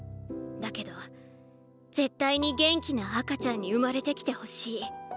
だけど絶対に元気な赤ちゃんに生まれてきてほしい。